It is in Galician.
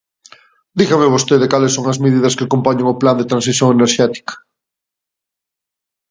Dígame vostede cales son as medidas que compoñen o Plan de transición enerxética.